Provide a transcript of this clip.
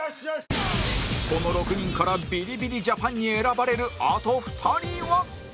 この６人からビリビリジャパンに選ばれるあと２人は？